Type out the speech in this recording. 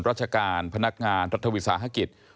ราชการพนักงานรัฐวิสาหกิจ